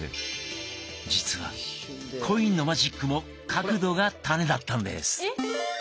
実はコインのマジックも角度がタネだったんです！